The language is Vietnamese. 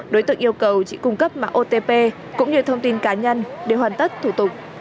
đối tượng yêu cầu chị cung cấp mã otp cũng như thông tin cá nhân để hoàn tất thủ tục